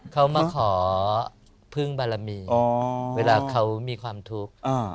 เขามาขอพึ่งบารมีเวลาเขามีความทุกข์